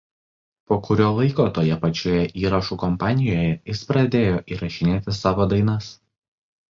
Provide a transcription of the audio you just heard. Po kurio laiko toje pačioje įrašų kompanijoje jis pradėjo įrašinėti savo dainas.